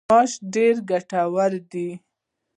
ماش ډیر ګټور دي.